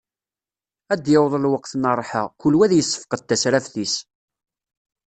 Ad d-yaweḍ lweqt n rrḥa, kul wa ad yessefqed tasraft-is.